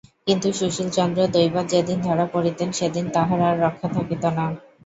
কিন্তু সুশীলচন্দ্র দৈবাৎ যেদিন ধরা পড়িতেন সেদিন তাঁহার আর রক্ষা থাকিত না।